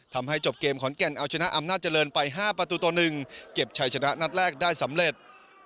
ทำให้จบเกมขอนแก่นเอาชนะอำนาจเจริญไป๕ประตูต่อ๑เก็บชัยชนะนัดแรกได้สำเร็จ